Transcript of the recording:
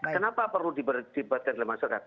kenapa perlu dipertibatkan dalam masyarakat